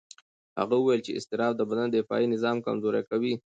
هغه وویل چې اضطراب د بدن دفاعي نظام کمزوري کوي.